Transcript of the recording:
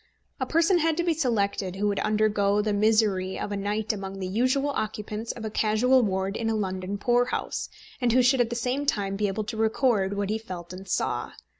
A person had to be selected who would undergo the misery of a night among the usual occupants of a casual ward in a London poor house, and who should at the same time be able to record what he felt and saw.